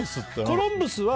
コロンブスは？